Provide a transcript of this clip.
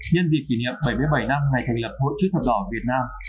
nhân dịp kỷ niệm bảy mươi bảy năm ngày thành lập hội chữ thập đỏ việt nam